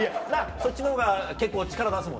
そっちのほうが結構力出すもんな？